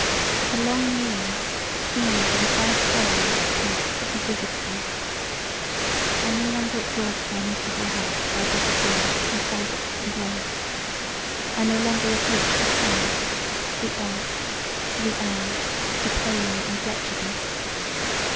For long years these are the first days of peace that have visited me. I no longer exhaust my miserable heart by bitter tears and frantic complaints; I no longer the reproach the sun, the earth, the air, for pain and wretchedness.